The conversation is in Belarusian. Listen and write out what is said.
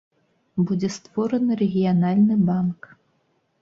Будзе створаны рэгіянальны банк.